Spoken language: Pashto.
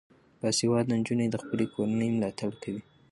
باسواده نجونې د خپلې کورنۍ ملاتړ کوي.